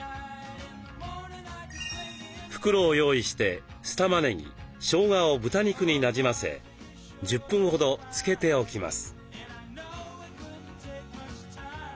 袋を用意して酢たまねぎしょうがを豚肉になじませ１０分ほど漬けておきます。